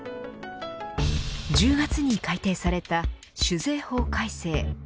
１０月に改定された酒税法改正。